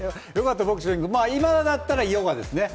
今だったらヨガですね。